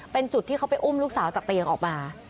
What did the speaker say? เป็นจุดที่เขาไปอุ้มลูกสาวจากเตียงออกมา